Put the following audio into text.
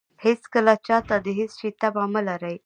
هېڅکله چاته د هېڅ شي تمه مه لرئ.